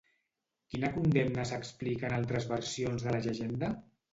Quina condemna s'explica en altres versions de la llegenda?